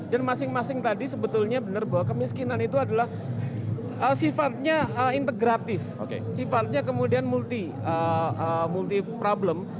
dan masing masing tadi sebetulnya benar bahwa kemiskinan itu adalah sifatnya integratif sifatnya kemudian multi problem